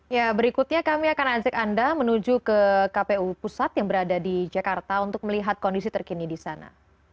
ya berikutnya kami akan ajak anda menuju ke kpu pusat yang berada di jakarta untuk melihat kondisi terkini di sana